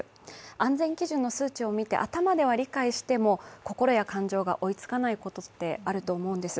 安全基準の数値を見て、頭では理解しても心や感情が追いつかないことってあると思うんです。